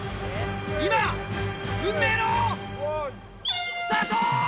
今運命のスタート！